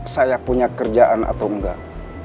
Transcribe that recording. saya punya kerjaan atau enggak